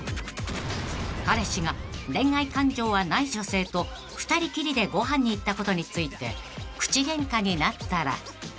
［彼氏が恋愛感情はない女性と２人きりでご飯に行ったことについて口ゲンカになったら］